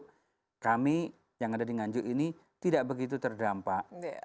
karena kami yang ada di nganjuk ini tidak begitu terdampak